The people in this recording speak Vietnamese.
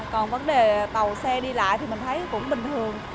còn vấn đề tàu xe đi lại thì mình thấy cũng bình thường